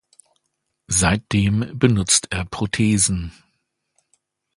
Seitdem benutzt er Prothesen.